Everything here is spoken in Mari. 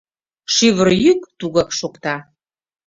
Шӱвыр йӱк тугак шокта.